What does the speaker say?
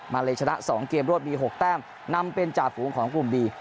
มาเลชนะสองเกมรวดมีหกแต้มนำเป็นจาดฝูงของกลุ่มดี